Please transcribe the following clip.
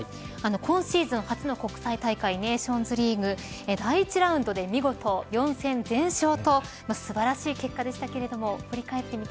今シーズン初の国際大会ネーションズリーグ第１ラウンドで見事４戦全勝と素晴らしい結果でした。